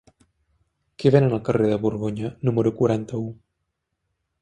Què venen al carrer de Borgonya número quaranta-u?